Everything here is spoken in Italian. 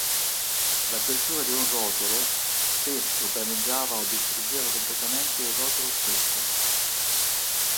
L'apertura di un rotolo spesso danneggiava o distruggeva completamente il rotolo stesso.